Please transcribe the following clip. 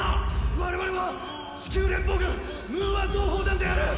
我々は地球連邦軍ムーア同胞団である！